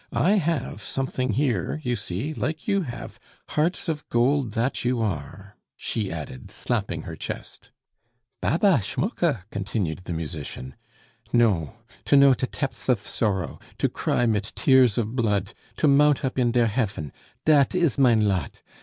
I have something here, you see, like you have, hearts of gold that you are," she added, slapping her chest. "Baba Schmucke!" continued the musician. "No. To know de tepths of sorrow, to cry mit tears of blood, to mount up in der hefn dat is mein lot!